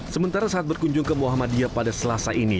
sementara saat berkunjung ke muhammadiyah pada selasa ini